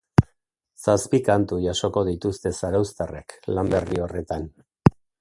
Zazpi kantu jasoko dituzte zarauztarrek lan berri horretan.